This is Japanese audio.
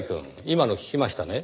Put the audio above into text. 今の聞きましたね？